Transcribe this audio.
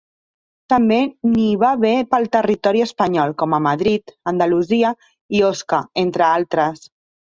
També n'hi va haver pel territori espanyol, com a Madrid, Andalusia i Osca, entre d'altres.